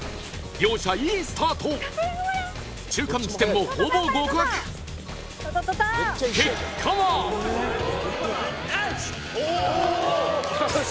両者いいスタート中間地点もほぼ互角よし！